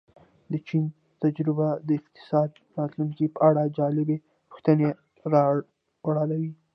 د چین تجربه د اقتصاد راتلونکې په اړه جالبې پوښتنې را ولاړوي.